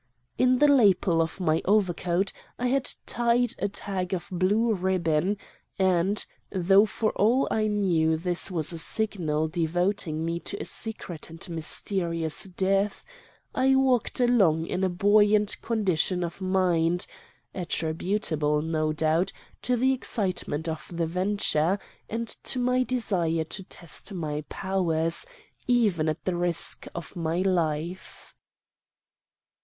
In the lapel of my overcoat I had tied a tag of blue ribbon, and, though for all I knew this was a signal devoting me to a secret and mysterious death, I walked along in a buoyant condition of mind, attributable, no doubt, to the excitement of the venture and to my desire to test my powers, even at the risk of my life.